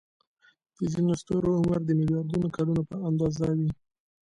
د ځینو ستورو عمر د ملیاردونو کلونو په اندازه وي.